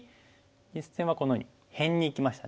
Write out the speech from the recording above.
実戦はこのように辺にいきましたね。